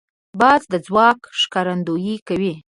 باز د ځواک ښکارندویي کوي